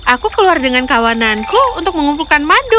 aku keluar dengan kawananku untuk mengumpulkan madu